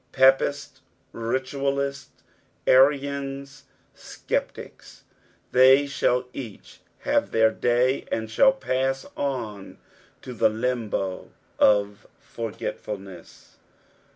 Papists, Ritualists, Arians, Sceptics, they shall each have their day, and shall pass on to the limbo of foi^tfulness.